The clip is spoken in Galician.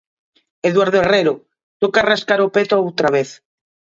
Eduardo Herrero, toca rascar o peto outra vez.